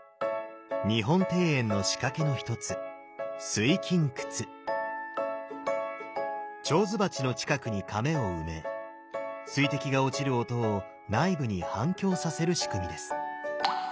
日本庭園の仕掛けの一つ手水鉢の近くに甕を埋め水滴が落ちる音を内部に反響させる仕組みです。